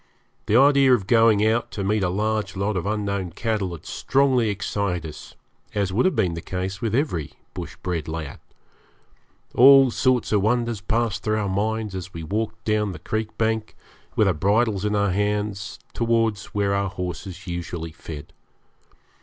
The idea of going out to meet a large lot of unknown cattle had strongly excited us, as would have been the case with every bush bred lad. All sorts of wonders passed through our minds as we walked down the creek bank, with our bridles in our hands, towards where our horses usually fed.